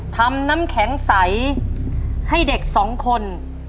ทำน้ำแข็งใสให้เด็กสองคน